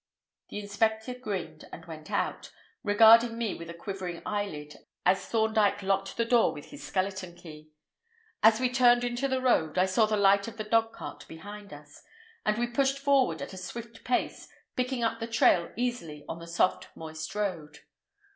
The inspector grinned and went out, regarding me with a quivering eyelid as Thorndyke locked the door with his skeleton key. As we turned into the road, I saw the light of the dogcart behind us, and we pushed forward at a swift pace, picking up the trail easily on the soft, moist road.